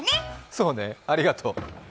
そうね、ありがとう。